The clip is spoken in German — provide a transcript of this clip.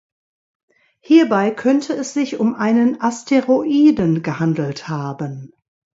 Hierbei könnte es sich um einen Asteroiden gehandelt haben.